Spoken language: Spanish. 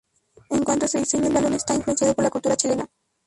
En cuanto a su diseño, el balón está influenciado por la cultura chilena.